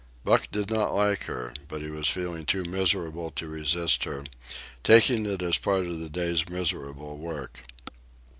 Buck did not like her, but he was feeling too miserable to resist her, taking it as part of the day's miserable work.